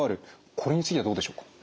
これについてはどうでしょうか？